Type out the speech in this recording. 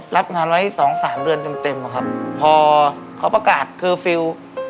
รับงานไว้สองสามเดือนเต็มเต็มครับพอเขาประกาศเคอร์ฟิลล์